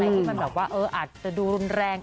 ที่มันแบบว่าอาจจะดูรุนแรง